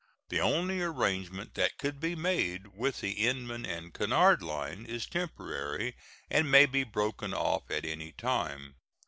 The only arrangement that could be made with the Inman and Cunard lines is temporary, and may be broken off at any time.